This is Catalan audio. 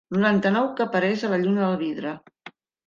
Noranta-nou que apareix a la lluna del vidre.